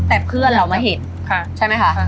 แต่เพื่อนเรามาเห็นใช่ไหมคะ